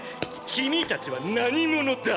君たちは何者だ？